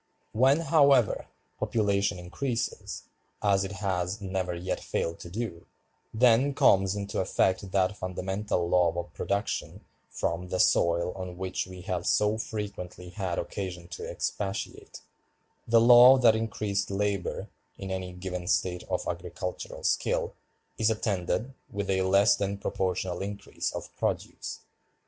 When, however, population increases, as it has never yet failed to do, then comes into effect that fundamental law of production from the soil on which we have so frequently had occasion to expatiate, the law that increased labor, in any given state of agricultural skill, is attended with a less than proportional increase of produce.